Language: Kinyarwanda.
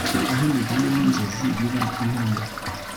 aho imigani ninzozi biba impamo